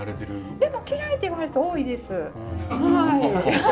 でも嫌いって言わはる人多いです。